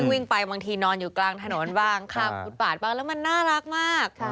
วิ่งไปบางทีนอนอยู่กลางถนนบ้างข้ามฟุตบาทบ้างแล้วมันน่ารักมาก